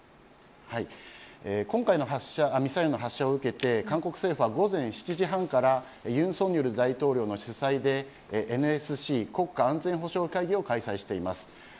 今回のミサイルの発射を受けて韓国政府は午前７時半から尹錫悦大統領の主催でＮＳＣ国家安全保障会議を開催しています。